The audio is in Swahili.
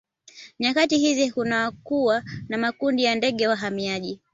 Nyakati hizi kunakuwa na makundi ya ndege wahamiaji